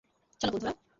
চল, বন্ধুরা!